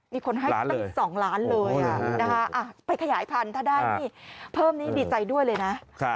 มีคนให้ตั้ง๒ล้านเลยนะคะไปขยายพันธุ์ถ้าได้นี่เพิ่มนี้ดีใจด้วยเลยนะ